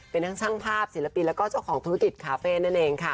เป็นทั้งช่างภาพศิลปินและเจ้าของธุรกิจคาเฟ่น